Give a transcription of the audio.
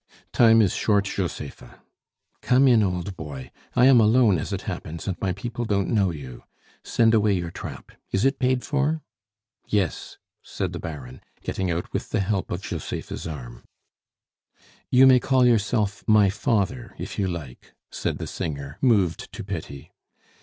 "Time is short, Josepha!" "Come in, old boy, I am alone, as it happens, and my people don't know you. Send away your trap. Is it paid for?" "Yes," said the Baron, getting out with the help of Josepha's arm. "You may call yourself my father if you like," said the singer, moved to pity.